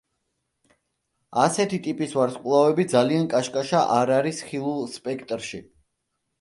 ასეთი ტიპის ვარსკვლავები ძალიან კაშკაშა არ არის ხილულ სპექტრში.